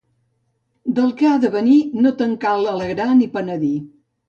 Del que ha de venir, no te'n cal alegrar ni penedir.